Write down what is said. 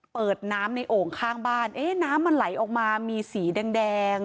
เปิดน้ำในโอ่งข้างบ้านเอ๊ะน้ำมันไหลออกมามีสีแดง